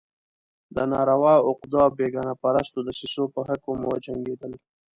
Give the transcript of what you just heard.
د ناروا عقدو او بېګانه پرستو دسیسو په حکم وجنګېدل.